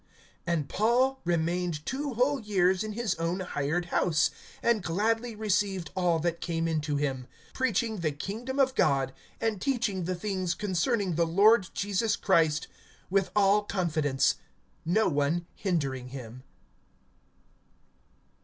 [28:29] (30)And Paul remained two whole years in his own hired house, and gladly received all that came in to him; (31)preaching the kingdom of God, and teaching the things concerning the Lord Jesus Christ, with all confidence, no one hindering him.